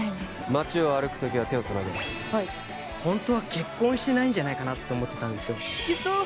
街を歩くときは手をつなげはいホントは結婚してないんじゃないかなって思ってたんですよ